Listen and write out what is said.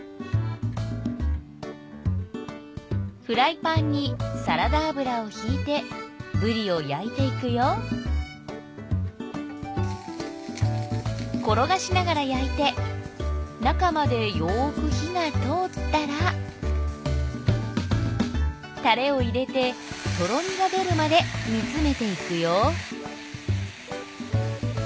フライパンにサラダ油をひいてぶりを焼いていくよ転がしながら焼いて中までよく火が通ったらタレを入れてとろみが出るまで煮詰めていくよ